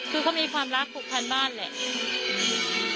คือเขามีความรักผูกพันบ้านแหละ